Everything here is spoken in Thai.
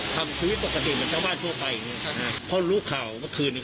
ก็เบลอรอยอะไรอย่างนี้มันก็นิ่งเฉยขึ้มอะไรอย่างนี้